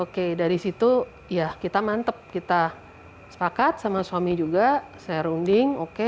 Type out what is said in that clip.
oke dari situ ya kita mantep kita sepakat sama suami juga saya runding oke